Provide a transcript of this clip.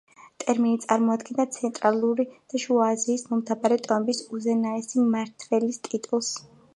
ტერმინი წარმოადგენდა ცენტრალური და შუა აზიის მომთაბარე ტომების უზენაესი მმართველის ტიტულს.